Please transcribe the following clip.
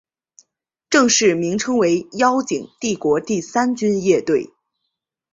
正式名称为妖精帝国第三军乐队。